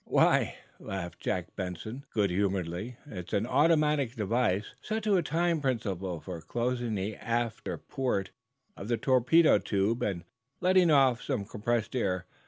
"Why," laughed Jack Benson, good humoredly, "it's an automatic device, set to a time principle, for closing the after port of the torpedo tube and letting off some compressed air.